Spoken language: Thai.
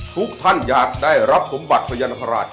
ทุกท่านอยากได้รับสมบัติพญานาคาราช